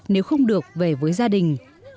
nếu không được về với gia đình